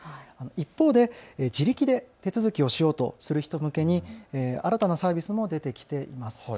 一方で自力で手続きをしようとする人向けに新たなサービスも出てきています。